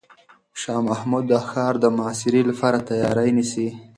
شاه محمود د ښار د محاصرې لپاره تیاری نیسي.